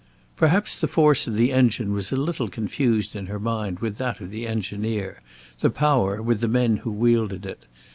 Perhaps the force of the engine was a little confused in her mind with that of the engineer, the power with the men who wielded it.